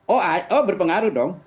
oh berpengaruh dong